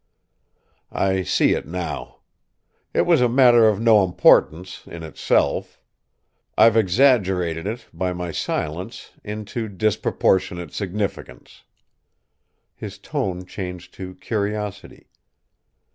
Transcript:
"I see it now. It was a matter of no importance, in itself. I've exaggerated it, by my silence, into disproportionate significance." His tone changed to curiosity.